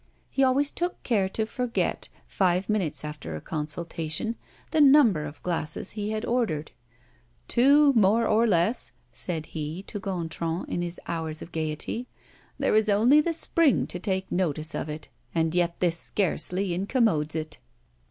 He always took care to forget, five minutes after a consultation, the number of glasses which he had ordered. "Two more or less," said he to Gontran in his hours of gaiety, "there is only the spring to take notice of it; and yet this scarcely incommodes it!"